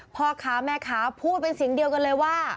พ่อค้าแม่ค้าพูดเป็นเสียงเดียวกันเลยว่า